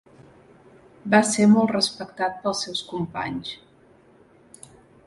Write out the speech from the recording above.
Va ser molt respectat pels seus companys.